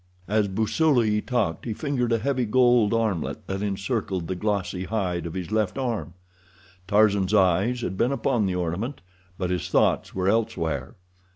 As Busuli talked he fingered a heavy gold armlet that encircled the glossy hide of his left arm. Tarzan's eyes had been upon the ornament, but his thoughts were elsewhere.